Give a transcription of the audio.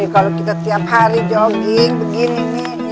kalo kita tiap hari jogging begini nih ya